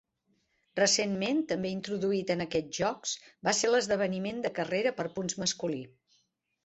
Recentment, també introduït en aquests jocs, va ser l'esdeveniment de carrera per punts masculí.